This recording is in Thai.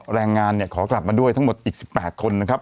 แรงงานเนี่ยขอกลับมาด้วยทั้งหมดอีก๑๘คนนะครับ